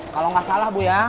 kalau nggak salah bu ya